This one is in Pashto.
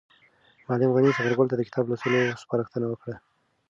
معلم غني ثمر ګل ته د کتاب لوستلو سپارښتنه وکړه.